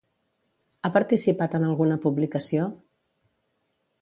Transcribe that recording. Ha participat en alguna publicació?